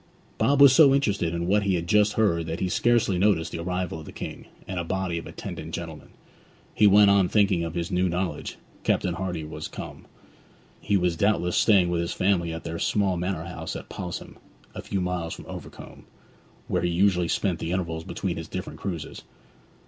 Bob was so interested in what he had just heard that he scarcely noticed the arrival of the King, and a body of attendant gentlemen. He went on thinking of his new knowledge; Captain Hardy was come. He was doubtless staying with his family at their small manor house at Pos'ham, a few miles from Overcombe, where he usually spent the intervals between his different cruises.